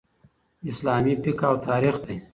اسلامي فقه او تاریخ دئ.